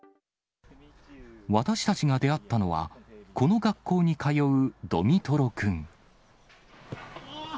私たちが出会ったのは、この学校に通うドミトロ君。